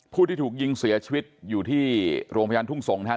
ผู้ที่ถูกยิงเสียชีวิตอยู่ที่โรงพยาบาลทุ่งสงศ์นะครับ